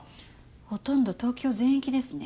ほとんど東京全域ですね。